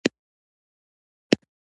وينه مې په جوش راغلې وه.